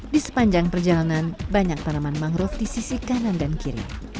di sepanjang perjalanan banyak tanaman mangrove di sisi kanan dan kiri